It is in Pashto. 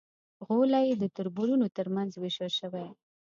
غولی یې د تربرونو تر منځ وېشل شوی.